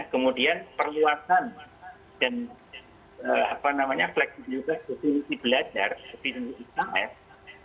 kemudian perluatan dan fleksibilitas kemungkinan belajar